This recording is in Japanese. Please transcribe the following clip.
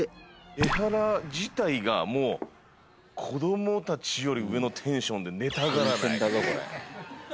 エハラ自体がもう子どもたちより上のテンションで寝たがらない。